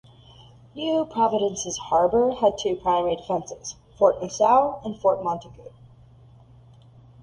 New Providence's harbor had two primary defenses, Fort Nassau and Fort Montagu.